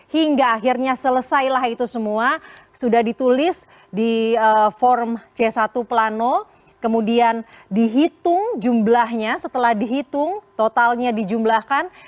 hingga akhirnya selesailah itu semua sudah ditulis di forum c satu plano kemudian dihitung jumlahnya setelah dihitung totalnya dijumlahkan